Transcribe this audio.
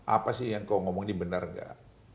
apa sih yang kau ngomong ini benar nggak